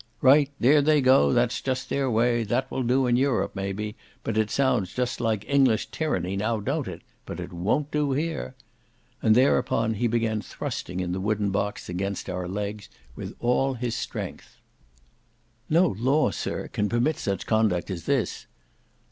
"Right!—there they go—that's just their way—that will do in Europe, may be; it sounds just like English tyranny, now don't it? but it won't do here." And thereupon he began thrusting in the wooden box against our legs, with all his strength. "No law, sir, can permit such conduct as this."